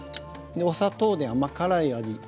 お砂糖で甘辛い味